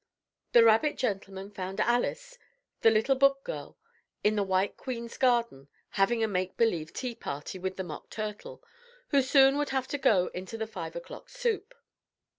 The rabbit gentleman found Alice, the little book girl, in the White Queen's garden having a make believe tea party with the Mock Turtle, who soon would have to go into the 5 o'clock soup.